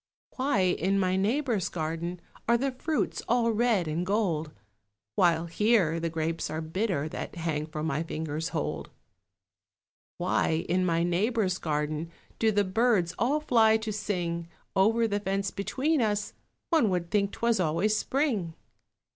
Why in my neighbour's garden Are the fruits all red and gold, While here the grapes are bitter That hang for my fingers' hold? Why in my neighbour's garden Do the birds all fly to sing? Over the fence between us One would think 'twas always spring.